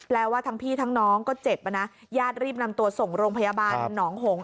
แล้วว่าทั้งพี่ทั้งน้องก็เจ็บอ่ะนะญาติรีบนำตัวส่งโรงพยาบาลหนองหง